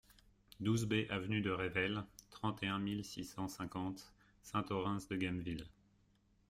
douze B aVENUE DE REVEL, trente et un mille six cent cinquante Saint-Orens-de-Gameville